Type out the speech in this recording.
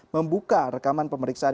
membuka rekaman pemeriksaan